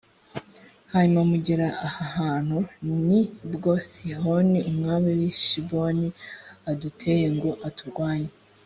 hanyuma mugera aha hantu; ni bwo sihoni umwami w’i heshiboni aduteye ngo aturwanye,